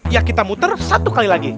ya kita muter satu kali lagi